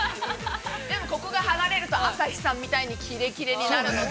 ◆でも、ここが剥がれると、朝日さんみたいに切れ切れになるので。